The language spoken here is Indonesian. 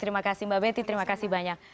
terima kasih mbak betty terima kasih banyak